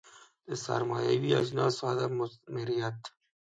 د سرمایوي اجناسو عدم مثمریت.